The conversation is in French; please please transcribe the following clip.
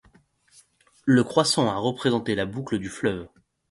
Le croissant a représenté la boucle du fleuve.